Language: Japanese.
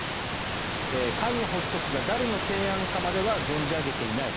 会の発足が誰の提案かまでは存じ上げていない。